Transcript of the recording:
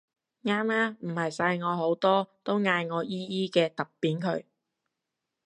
啱啊唔係細我好多都嗌姨姨嘅揼扁佢